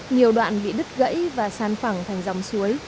nhiều đoạn bị đứt gãy và san phẳng thành dòng suối